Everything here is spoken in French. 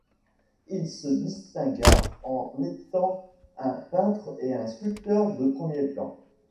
Il se distingua en étant un peintre et un sculpteur de premier plan.